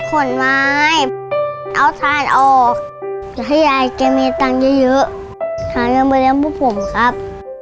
ขนไม้เอาทานออกให้ยายจะมีเงินเยอะทานเงินบริเวณพวกผมครับ